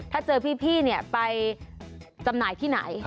ถ้าเจอพี่ไปจำหน่ายที่ไหน